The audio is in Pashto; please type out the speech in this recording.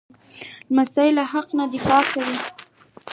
لمسی له حق نه دفاع کوي.